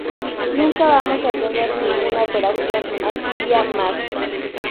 Nunca vamos a tener ninguna operación anfibia más.